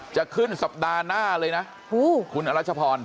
จะขึ้นสัปดาห์หน้าเลยนะคุณอรัชพร